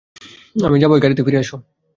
আমি যাবই গাড়িতে ফিরে আসো!